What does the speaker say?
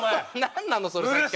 何なのそれって。